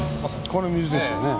この水ですよね。